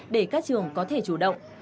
để các trường có thể chủ động